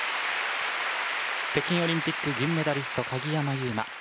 北京オリンピック銀メダリスト、鍵山優真。